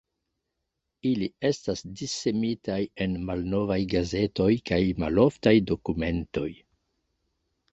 Ili estas dissemitaj en malnovaj gazetoj kaj maloftaj dokumentoj.